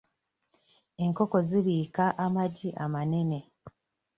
Enkoko zibiika amagi amanene.